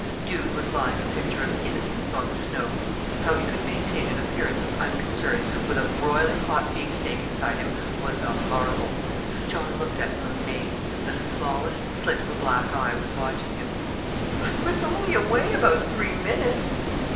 Dude was lying a picture of innocence on the snow. How he could maintain an appearance of unconcern with a broiling hot beef steak inside him was a marvel! John looked at him amazed: the smallest slit of a black eye was watching him. "I was only away about three minutes."